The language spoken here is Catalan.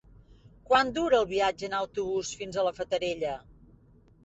Quant dura el viatge en autobús fins a la Fatarella?